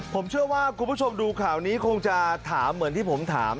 ผมเชื่อว่าคุณผู้ชมดูข่าวนี้คงจะถามเหมือนที่ผมถาม